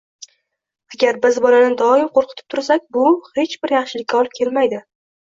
Agar biz bolani doim qo‘rqitib tursak, bu hech bir yaxshilikka olib kelmaydi.